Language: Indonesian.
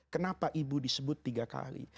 kenapa ibu disebut tiga kali